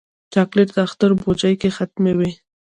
چاکلېټ د اختر بوجۍ کې حتمي وي.